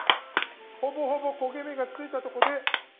ほぼほぼ焦げ目がついたとこで。